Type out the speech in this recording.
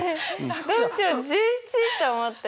どうしよう１１と思って。